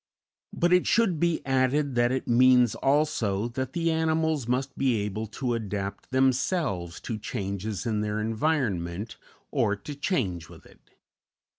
But it should be added that it means also that the animals must be able to adapt themselves to changes in their environment, or to change with it.